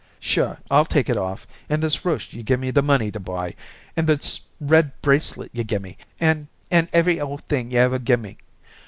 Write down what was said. "Sure I'll take it off, and this ruche you gimme the money to buy, and this red bracelet you gimme, and and every old thing you ever gimme.